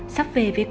sắp về với con rồi